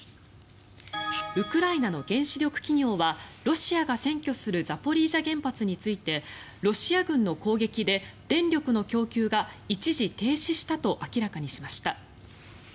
ウクライナの原子力企業はロシアが占拠するザポリージャ原発についてロシア軍の攻撃で電力の供給が一時、停止したと明らかにしました。